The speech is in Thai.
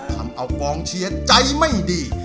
ทำเอากองเชียร์ใจไม่ดี